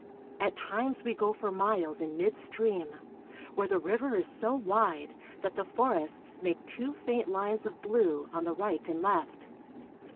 At times we go for miles in mid stream, where the river is so wide that the forests make two faint lines of blue on the right and left.